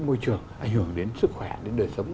môi trường ảnh hưởng đến sức khỏe đến đời sống